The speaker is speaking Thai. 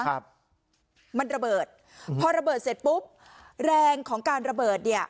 ครับมันระเบิดพอระเบิดเสร็จปุ๊บแรงของการระเบิดเนี้ย